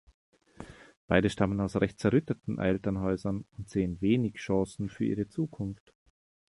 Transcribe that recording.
Beide stammen aus recht zerrütteten Elternhäusern und sehen wenig Chancen für ihre Zukunft.